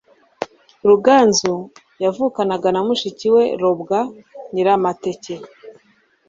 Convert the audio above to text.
Ruganzu yavukanaga na mushiki we Robwa Nyiramateke